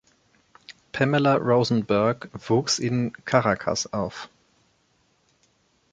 Pamela Rosenberg wuchs in Caracas auf.